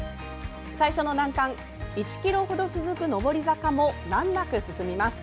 最初の難関、１ｋｍほど続く上り坂も難なく進みます。